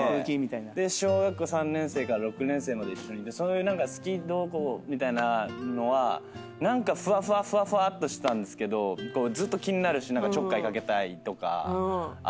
で小学校３年生から６年生まで一緒そういう何か好きどうこうみたいなのはふわふわっとしてたんですけどずっと気になるしちょっかい掛けたいとかあって。